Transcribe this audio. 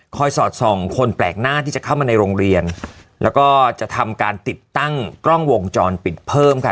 สอดส่องคนแปลกหน้าที่จะเข้ามาในโรงเรียนแล้วก็จะทำการติดตั้งกล้องวงจรปิดเพิ่มค่ะ